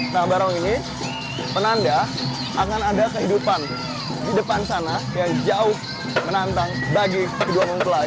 nah barong ini penanda akan ada kehidupan di depan sana yang jauh menantang bagi kedua mempelai